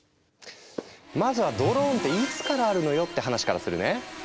まずはドローンっていつからあるのよって話からするね。